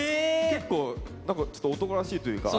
結構男らしいというか。